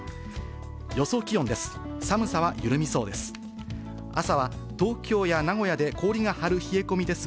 予想気温です。